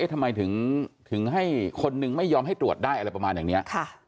ทำไมถึงให้คนนึงไม่ยอมให้ตรวจได้อะไรประมาณอย่างนี้